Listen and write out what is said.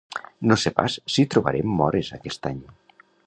No sé pas si trobarem mores aquest any